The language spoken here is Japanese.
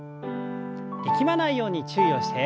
力まないように注意をして。